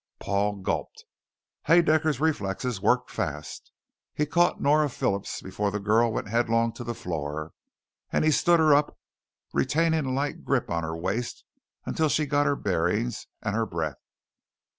Paul gulped. Haedaecker's reflexes worked fast. He caught Nora Phillips before the girl went headlong to the floor and he stood her up, retaining a light grip on her waist until she got her bearings and her breath.